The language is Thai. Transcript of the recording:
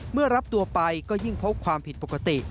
เมื่อรับตัวไปก็ยิ่งพบความผิดปกติ